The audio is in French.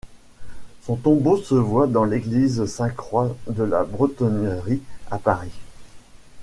Son tombeau se voit dans l'église Sainte-Croix de la Bretonnerie à Paris.